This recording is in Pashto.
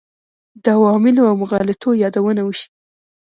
د عواملو او مغالطو یادونه وشي.